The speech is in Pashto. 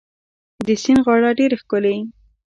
د سیند غاړه ډيره ښکلې